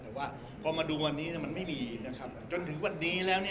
แต่ว่าพอมาดูวันนี้มันไม่มีนะครับ